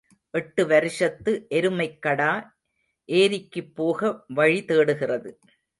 எட்டு வருஷத்து எருமைக் கடா ஏரிக்குப் போக வழி தேடுகிறது.